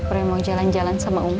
apa yang mau jalan jalan sama umi